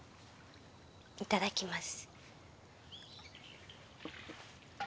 いただきます。